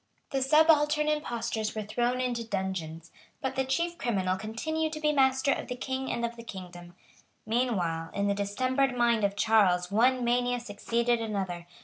The subaltern impostors were thrown into dungeons. But the chief criminal continued to be master of the King and of the kingdom. Meanwhile, in the distempered mind of Charles one mania succeeded another.